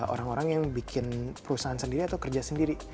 orang orang yang bikin perusahaan sendiri atau kerja sendiri